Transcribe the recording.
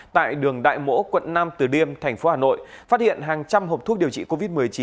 tại đường đại mỗ quận năm từ điêm tp hà nội phát hiện hàng trăm hộp thuốc điều trị covid một mươi chín